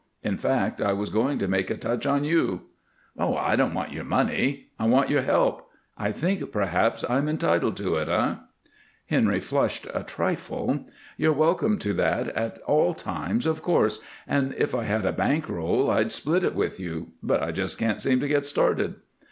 In fact, I was going to make a touch on you." "Oh, I don't want your money; I want your help. I think, perhaps, I'm entitled to it, eh?" Henry flushed a trifle. "You're welcome to that at all times, of course, and if I had a bank roll, I'd split it with you, but I just can't seem to get started."